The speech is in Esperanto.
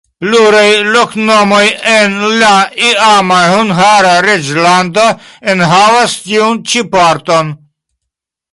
Pluraj loknomoj en la iama Hungara reĝlando enhavas tiun ĉi parton.